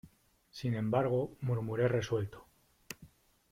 sin embargo, murmuré resuelto: